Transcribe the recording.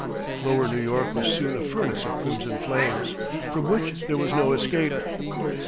Lower New York was soon a furnace of crimson flames, from which there was no escape.